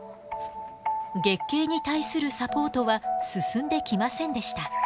月経に対するサポートは進んできませんでした。